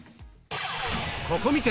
ここ観て！